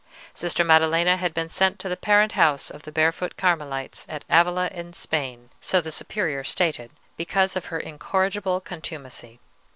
Sister Maddelena had been sent to the parent house of the barefoot Carmelites at Avila in Spain, so the Superior stated, because of her incorrigible contumacy.